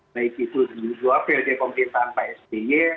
baik itu di jawa pilihan komunikasi tanpa sby